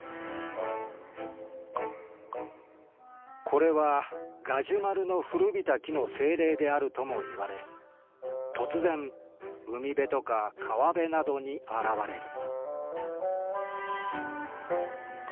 「これはガジュマルの古びた木の精霊であるともいわれ突然海辺とか川辺などに現れる」。